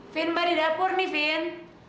vin mbak di dapur nih vin